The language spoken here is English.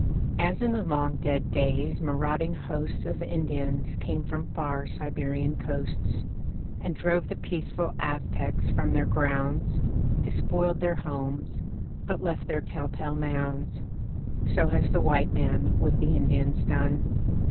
As in the long dead days marauding hosts Of Indians came from far Siberian coasts, And drove the peaceful Aztecs from their grounds, Despoiled their homes (but left their tell tale mounds), So has the white man with the Indians done.